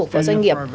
phó doanh nghiệp